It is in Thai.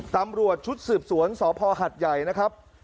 ตำรวจชุดสืบสวนสพหัดใหญ่นะครับ